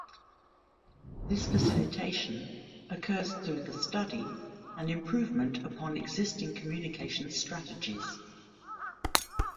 This facilitation occurs through the study and improvement upon existing communications strategies.